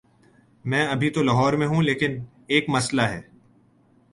میں ابھی تو لاہور ہوں، لیکن ایک مسلہ ہے۔